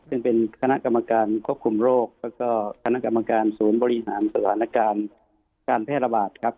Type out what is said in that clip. ซึ่งเป็นคณะกรรมการควบคุมโรคแล้วก็คณะกรรมการศูนย์บริหารสถานการณ์การแพร่ระบาดครับ